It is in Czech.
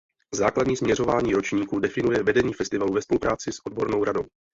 Základní směřování ročníků definuje vedení festivalu ve spolupráci s odbornou radou.